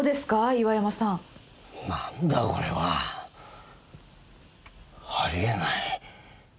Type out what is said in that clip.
岩山さん何だこれはありえない